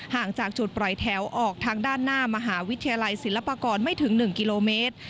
ห่างจากจุดปล่อยแถวออกทางด้านหน้ามหาวิทยาลัยศิลปากรไม่ถึง๑กิโลเมตร